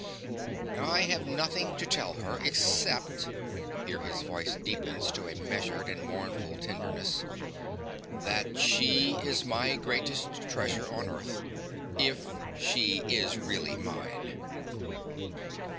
I have nothing to tell her, except (here his voice deepens to a measured and mournful tenderness) that she is my greatest treasure on earth if she is really mine.